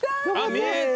見えた！